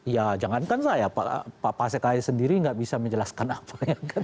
ya jangankan saya pak pak sekai sendiri tidak bisa menjelaskan apa